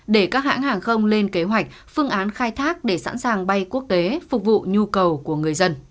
để các hãng hàng không lên kế hoạch phương án khai thác để sẵn sàng bay quốc tế phục vụ nhu cầu của người dân